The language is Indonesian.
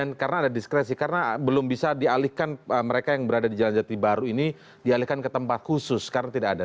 dan karena ada diskresi karena belum bisa dialihkan mereka yang berada di jalan jati baru ini dialihkan ke tempat khusus karena tidak ada